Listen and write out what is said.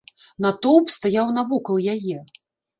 Натоўп стаяў навакол яе.